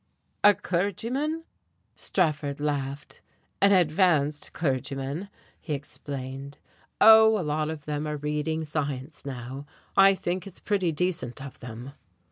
"A clergyman!" Strafford laughed. "An 'advanced' clergyman," he explained. "Oh, a lot of them are reading science now. I think it's pretty decent of them."